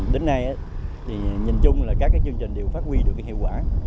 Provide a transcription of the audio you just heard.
đến nay nhìn chung là các chương trình đều phát huy được hiệu quả